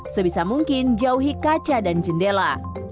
sebisa mungkin jauhi kaca dan jendela